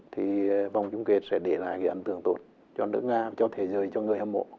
thì vòng chung kết sẽ để lại cái ảnh tưởng tốt cho nước nga cho thế giới cho người hâm mộ